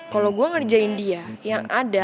kalau gue ngerjain dia yang ada